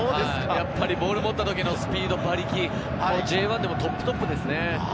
ボールを持った時のスピード、馬力、Ｊ１でもトップトップですね。